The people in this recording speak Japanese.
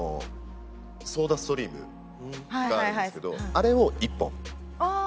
ソーダストリームがあるんですけどあれを１本。ああ。